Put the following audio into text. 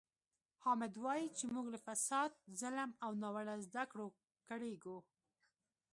حامد وایي چې موږ له فساد، ظلم او ناوړه زده کړو کړېږو.